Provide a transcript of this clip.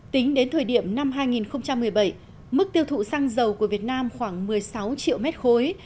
tính đến thời điểm năm hai nghìn một mươi bảy mức tiêu thụ xăng dầu của việt nam khoảng một mươi sáu triệu mét khối